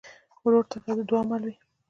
ورور د تا د دعا مل وي.